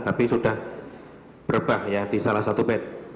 tapi sudah berubah ya di salah satu bed